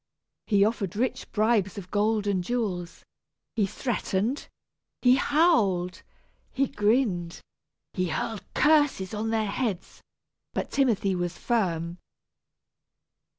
He offered rich bribes of gold and jewels, he threatened, he howled, he grinned, he hurled curses on their heads, but Timothy was firm.